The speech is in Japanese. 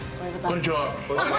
こんにちは！